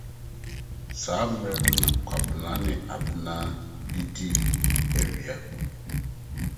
Saa bere no, na Kwabena ne Abena didi awia.